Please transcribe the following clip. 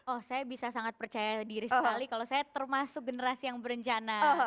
oh saya bisa sangat percaya diri sekali kalau saya termasuk generasi yang berencana